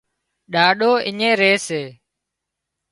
ڏاڏو اڃين ري سي